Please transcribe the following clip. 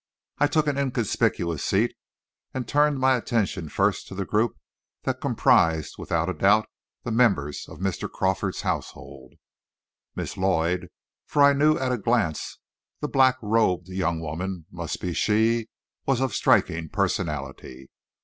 I took an inconspicuous seat, and turned my attention first to the group that comprised, without a doubt, the members of Mr. Crawford's household. Miss Lloyd for I knew at a glance the black robed young woman must be she was of a striking personality.